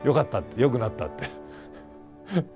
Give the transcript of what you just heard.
「よくなった」って。